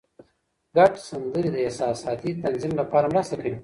ګډ سندرې د احساساتي تنظیم لپاره مرسته کوي.